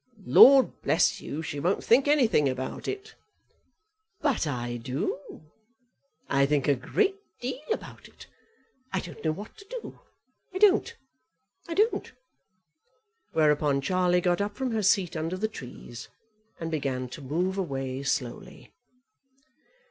"Lord bless you she won't think anything about it." "But I do; I think a great deal about it. I don't know what to do, I don't; I don't." Whereupon Charlie got up from her seat under the trees and began to move away slowly.